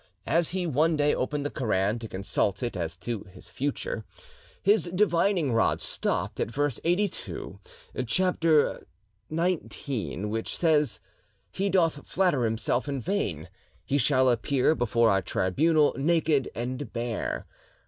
As he one day opened the Koran to consult it as to his future, his divining rod stopped at verse 82, chap. xix., which says, "He doth flatter himself in vain. He shall appear before our tribunal naked and bare."